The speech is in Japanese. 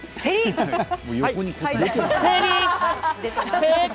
正解！